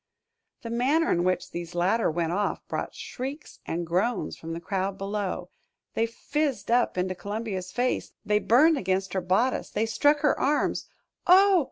The manner in which these latter went off brought shrieks and groans from the crowd below. They fizzed up into Columbia's face, they burned against her bodice, they struck her arms. "Oh!